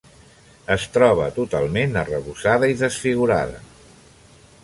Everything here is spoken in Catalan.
Es troba totalment arrebossada i desfigurada.